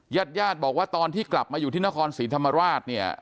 ญาติญาติบอกว่าตอนที่กลับมาอยู่ที่นครศรีธรรมราชเนี่ย